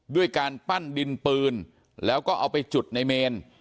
ด้วยการปั้นดินปืนแล้วก็เอาไปจุดในเมน